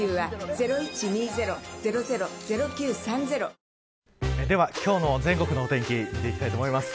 「セラムシールド」誕生では今日の全国のお天気見ていきたいと思います。